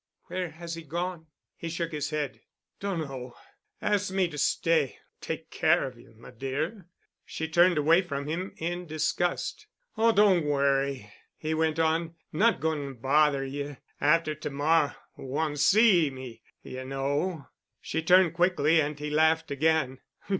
"Where has he gone?" He shook his head. "Dunno. Asked me to stay—take care of you, m'dear." She turned away from him, in disgust. "Oh—don' worry," he went on—"not goin' bother you. After t'morr'—won' see me, y'know——" She turned quickly and he laughed again.